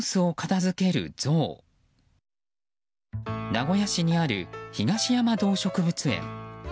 名古屋市にある東山動植物園。